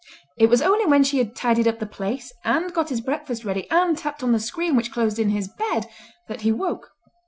It was only when she had tidied up the place and got his breakfast ready and tapped on the screen which closed in his bed that he woke.